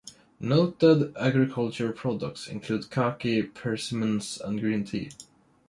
Noted agricultural products include "Kaki" persimmons and green tea.